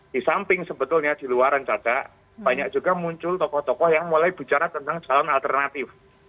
di samping sebetulnya di luaran caca banyak juga muncul tokoh tokoh yang mulai bicara tentang calon alternatif